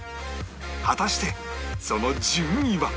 果たしてその順位は？